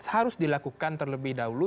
harus dilakukan terlebih dahulu